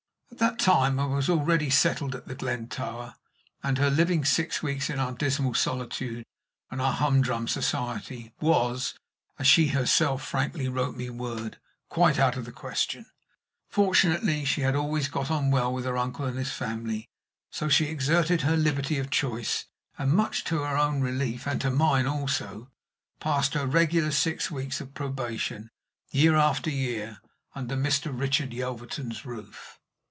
At that time I was already settled at The Glen Tower, and her living six weeks in our dismal solitude and our humdrum society was, as she herself frankly wrote me word, quite out of the question. Fortunately, she had always got on well with her uncle and his family; so she exerted her liberty of choice, and, much to her own relief and to mine also, passed her regular six weeks of probation, year after year, under Mr. Richard Yelverton's roof.